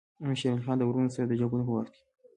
امیر شېر علي خان د وروڼو سره د جنګونو په وخت کې.